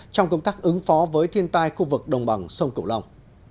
trong công tác ứng phó với thiên tai khu vực đồng bằng sông cửu long